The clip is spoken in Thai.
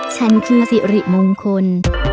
ฉันคือสิริมงคล